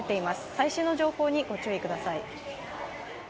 最新の情報にご注意ください。